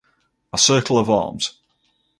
A circle of arms.